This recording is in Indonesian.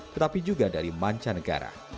tetapi juga dari manca negara